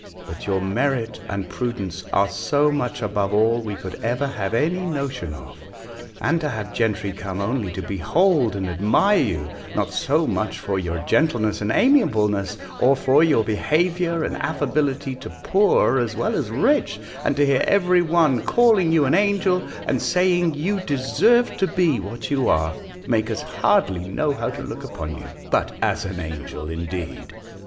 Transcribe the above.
But your merit and prudence are so much above all we could ever have any notion of: and to have gentry come only to behold and admire you, not so much for your gentleness, and amiableness, or for your behaviour, and affability to poor as well as rich, and to hear every one calling you an angel, and saying, you deserve to be what you are, make us hardly know how to look upon you, but as an angel indeed!